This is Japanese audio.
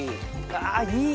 あいい！